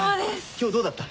今日どうだった？